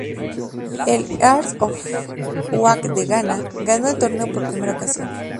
El Hearts of Oak de Ghana ganó el torneo por primer ocasión.